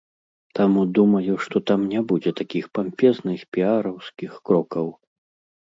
Таму думаю, што там не будзе такіх пампезных піараўскіх крокаў.